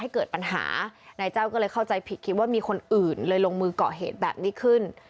คิดว่ามีคนอื่นเลยลงมือก่อเหตุแบบนี้ขึ้น